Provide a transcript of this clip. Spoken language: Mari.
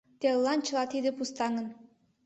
Телылан чыла тиде пустаҥын.